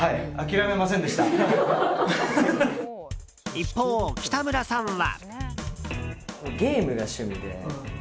一方、北村さんは。